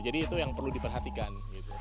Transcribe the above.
jadi itu yang perlu diperhatikan